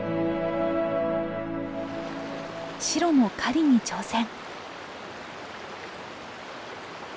シロも狩りに挑戦。